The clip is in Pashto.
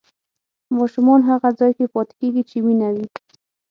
ماشومان هغه ځای کې پاتې کېږي چې مینه وي.